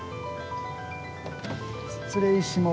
失礼します。